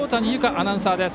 アナウンサーです。